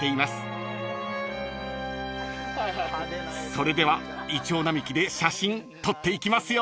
［それではいちょう並木で写真撮っていきますよ］